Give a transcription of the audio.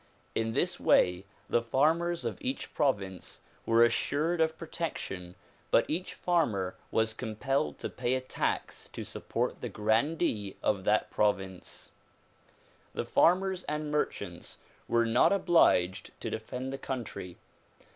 In this way the farmers of each province were assured of protection but each farmer was compelled to pay a tax to support the grandee of that province. The farmers and merchants were not obliged to defend the country.